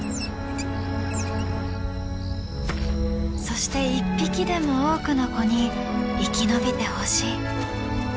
そして一匹でも多くの子に生き延びてほしい。